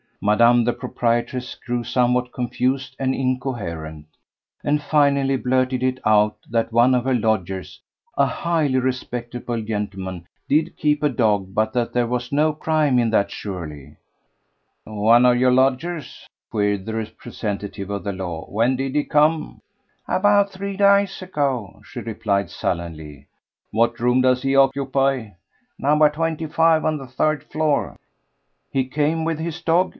Madame the proprietress grew somewhat confused and incoherent, and finally blurted it out that one of her lodgers—a highly respectable gentleman—did keep a dog, but that there was no crime in that surely. "One of your lodgers?" queried the representative of the law. "When did he come?" "About three days ago," she replied sullenly. "What room does he occupy?" "Number twenty five on the third floor." "He came with his dog?"